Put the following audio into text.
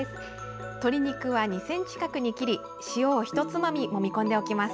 鶏肉は２ｃｍ角に切り塩を一つまみもみ込んでおきます。